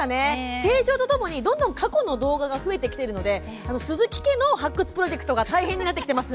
成長とともにどんどん過去の動画が増えているので鈴木家の発掘プロジェクトが大変になってきています。